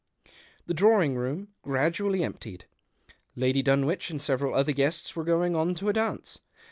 The drawing room gradually emptied. Lady Dunwich and several other guests were going on to a dance.